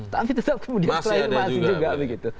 tapi tetap kemudian masih juga begitu